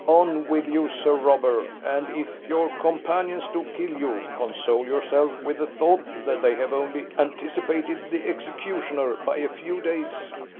On with you, Sir Robber; and if your companions do kill you, console yourself with the thought that they have only anticipated the executioner by a few days!"